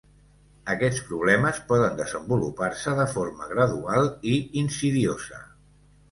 Aquests problemes poden desenvolupar-se de forma gradual i insidiosa.